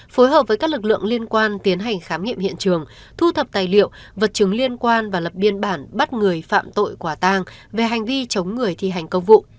phối hợp với các lực lượng liên quan tiến hành khám nghiệm hiện trường thu thập tài liệu vật chứng liên quan và lập biên bản bắt người phạm tội quả tang về hành vi chống người thi hành công vụ